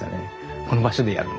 「この場所でやるの？」